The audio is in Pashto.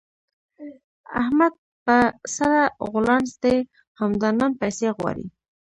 احمد په سره غولانځ دی؛ همدا نن پيسې غواړي.